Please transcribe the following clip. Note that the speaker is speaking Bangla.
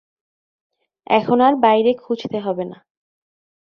এখন আর বাইরে খুঁজতে হবে না।